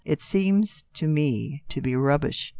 " It seems to me to be rubbish."